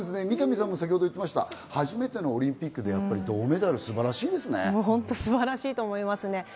三上さんも先ほど言ってました、初めてのオリンピックで銅メダル、素晴らしいですね。